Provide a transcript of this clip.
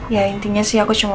ya intinya sih aku cuma